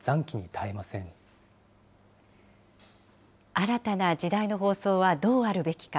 新たな時代の放送はどうあるべきか。